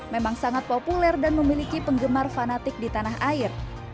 memang sangat populer dan memiliki penggemar fanatik di tanah air